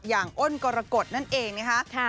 อย่างอ้นกรกฎนั่นเองนะฮะ